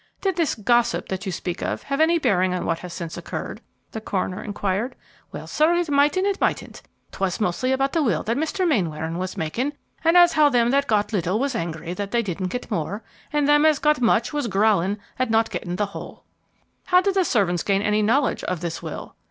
"Did this 'gossip' that you speak of have any bearing on what has since occurred?" the coroner inquired. "Well, sir, it might and it mightn't. 'Twas mostly about the will that Mr. Mainwaring was making; and as how them that got little was angry that they didn't get more, and them as got much was growling at not getting the whole." "How did the servants gain any knowledge of this will?"